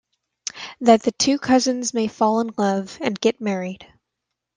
That the two cousins may fall in love, and get married.